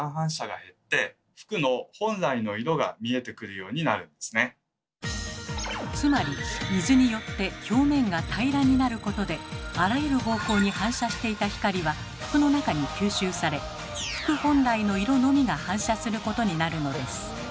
そうするとつまり水によって表面が平らになることであらゆる方向に反射していた光は服の中に吸収され服本来の色のみが反射することになるのです。